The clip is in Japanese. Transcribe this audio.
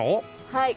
はい。